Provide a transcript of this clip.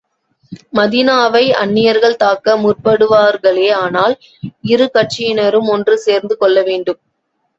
மதீனாவை அந்நியர்கள் தாக்க முற்படுவார்களே ஆனால், இரு கட்சியினரும் ஒன்று சேர்ந்து கொள்ள வேண்டும்.